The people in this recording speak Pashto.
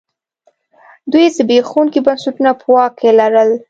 دوی زبېښونکي بنسټونه په واک کې لرل.